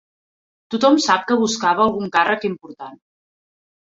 Tothom sap que buscava algun càrrec important.